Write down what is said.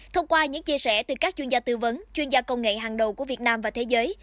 thông qua những chia sẻ từ các chuyên gia tư vấn chuyên gia công nghệ hàng đầu của việt nam và thế giới